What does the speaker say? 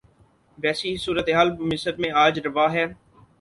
ویسی ہی صورتحال مصر میں آج روا ہے۔